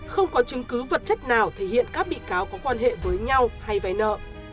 không có chứng cứ vật chất nào thể hiện các bị cáo có quan hệ với nhau hay vay nợ